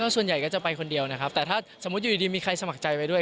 ก็ส่วนใหญ่ก็จะไปคนเดียวนะครับแต่ถ้าสมมุติมีใครด้วยก็สงสัยออกสมมุติไปด้วย